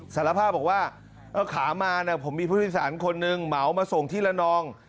สารภาพบอกว่าเอาขามาผมมีผู้โดยสารคนหนึ่งเหมามาส่งที่ละนอง